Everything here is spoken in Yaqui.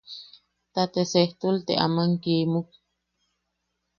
Ta te sejtul te aman kiimuk.